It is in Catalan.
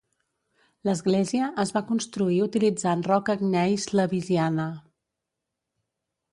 L'església es va construir utilitzant roca gneis lewisiana.